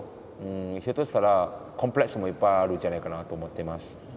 ひょっとしたらコンプレックスもいっぱいあるんじゃないかなと思ってます。